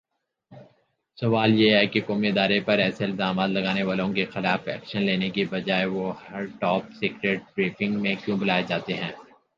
سوال یہ ہےکہ قومی ادارے پر ایسےالزامات لگانے والوں کے خلاف ایکشن لینے کی بجائے وہ ہر ٹاپ سیکرٹ بریفنگ میں کیوں بلائےجاتے ہیں